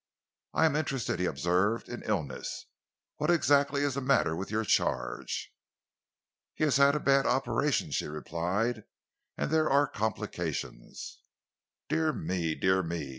"I am interested," he observed, "in illness. What exactly is the matter with your charge?" "He has had a bad operation," she replied, "and there are complications." "Dear me! Dear me!"